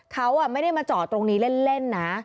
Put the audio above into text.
เขาไม่ได้มาจอดตรงนี้เล่นนะ